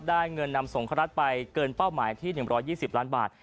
ได้เงินนำสงฆรัฐไปเกินเป้าหมายที่๑๒๐ล้านบาท